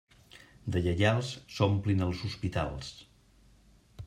De lleials s'omplin els hospitals.